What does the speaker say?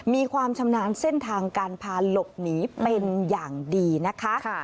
มีความชำนาญเส้นทางการพาหลบหนีเป็นอย่างดีนะคะ